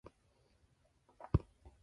He did not sell it in any retail store.